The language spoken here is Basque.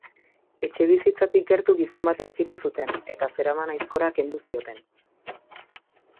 Etxebizitzatik gertu gizon bat aurkitu zuten, eta zeraman aizkora kendu zioten.